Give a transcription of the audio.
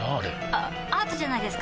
あアートじゃないですか？